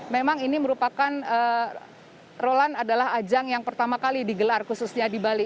memang ini merupakan roland adalah ajang yang pertama kali digelar khususnya di bali